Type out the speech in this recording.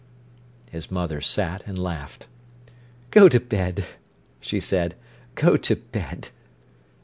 His mother sat and laughed. "Go to bed," she said—"go to bed."